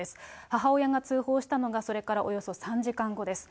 母親が通報したのがそれからおよそ３時間後です。